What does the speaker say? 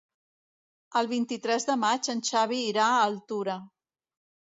El vint-i-tres de maig en Xavi irà a Altura.